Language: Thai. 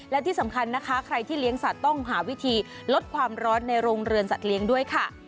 และที่สำคัญนะคะใครที่เลี้ยงสัตว์ต้องหาวิธีลดความร้อนในโรงเรือนสัตเลี้ยงด้วยค่ะ